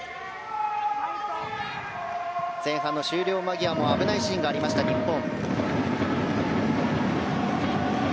前半の終了間際も危ないシーンがありました日本。